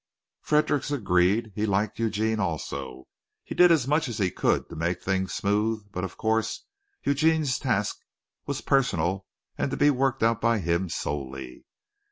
Fredericks agreed. He liked Eugene also. He did as much as he could to make things smooth, but of course Eugene's task was personal and to be worked out by him solely.